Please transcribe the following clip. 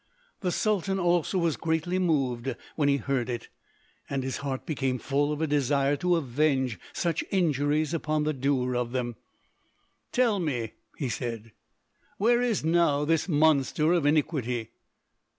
The Sultan also was greatly moved when he heard it, and his heart became full of a desire to avenge such injuries upon the doer of them. "Tell me," he said, "where is now this monster of iniquity?"